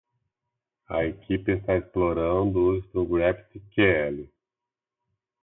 A equipe está explorando o uso de GraphQL.